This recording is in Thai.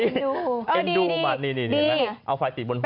ดีเอาไฟกะพริบติดบนหัว